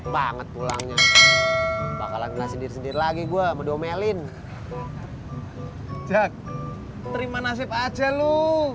banget pulangnya bakalan kasih diri sendiri lagi gua mendomelin jack terima nasib aja lu